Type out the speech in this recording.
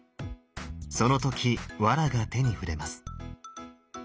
その時わらが手に触れます。